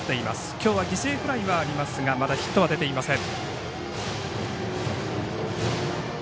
きょうは犠牲フライはありますがまだヒットは出ていません。